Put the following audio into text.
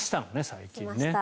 最近ね。